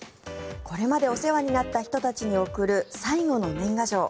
これまでお世話になった人たちに送る最後の年賀状。